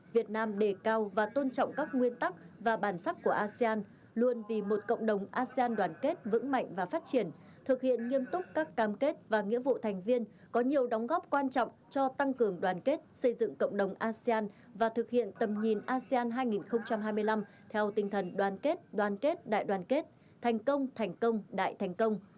việt nam đề cao và tôn trọng các nguyên tắc và bản sắc của asean luôn vì một cộng đồng asean đoàn kết vững mạnh và phát triển thực hiện nghiêm túc các cam kết và nghĩa vụ thành viên có nhiều đóng góp quan trọng cho tăng cường đoàn kết xây dựng cộng đồng asean và thực hiện tầm nhìn asean hai nghìn hai mươi năm theo tinh thần đoàn kết đoàn kết đại đoàn kết thành công thành công đại thành công